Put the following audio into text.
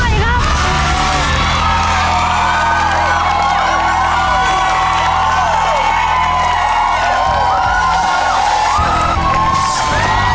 เร็ว